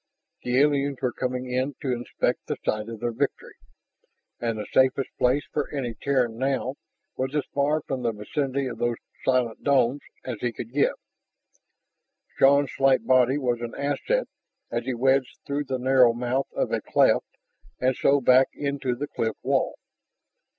The aliens were coming in to inspect the site of their victory. And the safest place for any Terran now was as far from the vicinity of those silent domes as he could get. Shann's slight body was an asset as he wedged through the narrow mouth of a cleft and so back into the cliff wall.